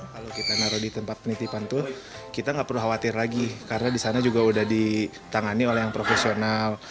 kalau kita naruh di tempat penitipan itu kita nggak perlu khawatir lagi karena di sana juga udah ditangani oleh yang profesional